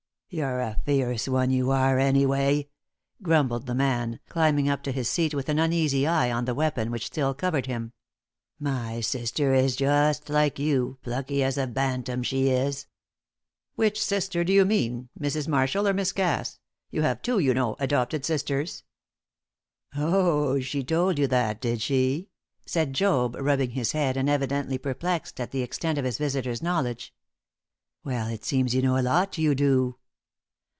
"You re a fierce one, you are, anyway," grumbled the man, climbing up to his seat with an uneasy eye on the weapon which still covered him. "My sister is just like you, plucky as a bantam, she is." "Which sister do you mean, Mrs. Marshall or Miss Cass? You have two, you know, adopted sisters?" "Oh, she told you that, did she?" said Job, rubbing his head, and evidently perplexed at the extent of his visitor's knowledge. "Well, it seems you know a lot, you do!"